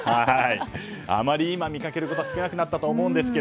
あまり今見かけることは少なくなったと思いますが